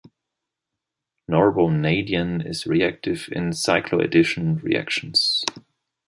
Norbornadiene is reactive in cycloaddition reactions.